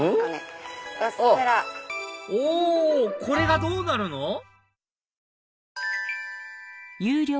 これがどうなるの？